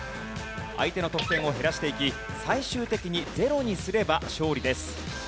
相手の得点を減らしていき最終的にゼロにすれば勝利です。